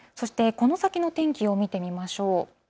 この先の天気を見てみましょう。